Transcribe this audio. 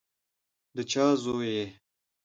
د چا زوی یې؟